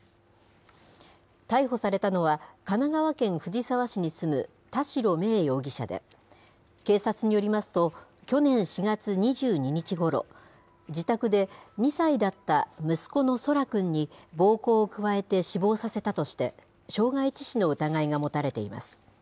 逮捕されたのは、神奈川県藤沢市に住む田代芽衣容疑者で、警察によりますと、去年４月２２日ごろ、自宅で２歳だった息子の空来くんに、暴行を加えて死亡させたとして、傷害致死の疑いが持たれています。